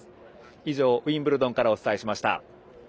以上、ウィンブルドンからお伝えしました。